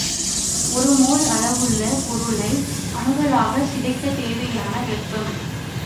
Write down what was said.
ஒரு மோல் அளவுள்ள பொருளை அணுக்களாகச் சிதைக்கத் தேவையான வெப்பம்.